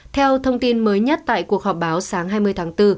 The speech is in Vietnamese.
theo thông tin mới nhất tại cuộc họp báo sáng hai mươi tháng bốn